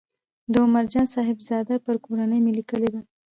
د عمر جان صاحبزاده پر کورنۍ مې لیکلې ده.